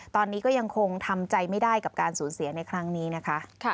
ตอนนี้ก็ยังคงทำใจไม่ได้กับการสูญเสียในครั้งนี้นะคะ